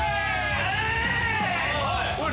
おい！